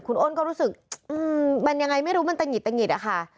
คุณโอนก็รู้สึกมันยังไงไม่รู้มันตังห์หยิดอ่ะค่ะ